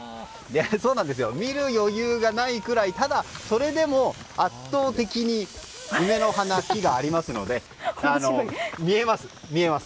見る余裕がないくらいただ、それでも圧倒的に梅の花木がありますので見えます。